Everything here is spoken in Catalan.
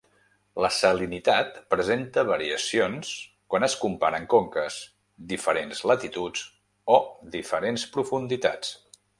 La salinitat presenta variacions quan es comparen conques, diferents latituds o diferents profunditats.